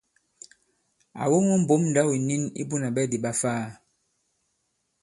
À woŋo mbǒm ndǎw ìnin i Bunà Ɓɛdì ɓa Ifaa.